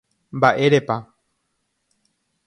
Mba'érepa